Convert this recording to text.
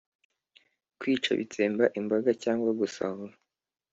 Kwica bitsemba imbaga cyangwa gusahura